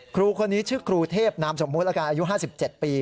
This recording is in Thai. ครูคนนี้ชื่อครูเทพนามสมมติอายุ๕๗ปี